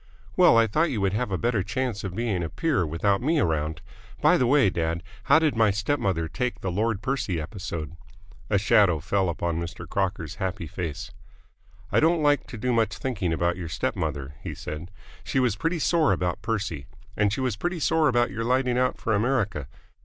"Well, I thought you would have a better chance of being a peer without me around. By the way, dad, how did my step mother take the Lord Percy episode?" A shadow fell upon Mr. Crocker's happy face. "I don't like to do much thinking about your step mother," he said. "She was pretty sore about Percy. And she was pretty sore about your lighting out for America.